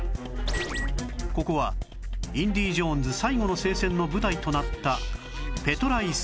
ここは『インディ・ジョーンズ最後の聖戦』の舞台となったペトラ遺跡